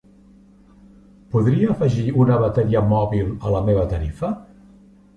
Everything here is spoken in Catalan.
Podria afegir una bateria mòbil a la meva tarifa?